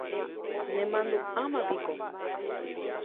Nemandu'ámapiko